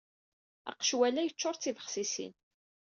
Aqecwal-a yeccuṛ d tibexsisin.